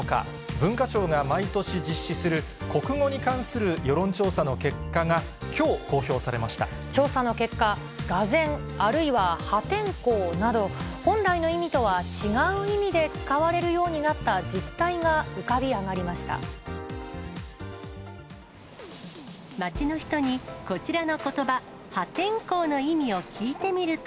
文化庁が毎年実施する国語に関する世論調査の結果がきょう、調査の結果、がぜん、あるいは破天荒など、本来の意味とは違う意味で使われるようになった実態が浮かび上が街の人に、こちらのことば、破天荒の意味を聞いてみると。